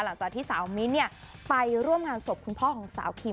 หลังจากที่สาวมิ้นไปร่วมงานศพคุณพ่อของสาวคิม